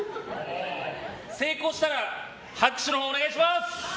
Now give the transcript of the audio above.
成功したら、拍手をお願いします。